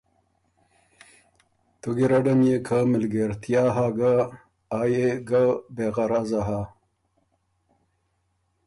تُو ګیرډه ميې که مِلګېرتیا هۀ ګۀ آ يې ګۀ بې غرضه هۀ